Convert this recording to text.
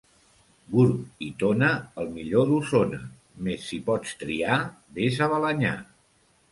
Gurb i Tona, el millor d'Osona; mes si pots triar, ves a Balenyà.